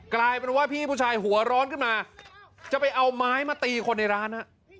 กลายเป็นว่าพี่ผู้ชายหัวร้อนขึ้นมาจะไปเอาไม้มาตีคนในร้าน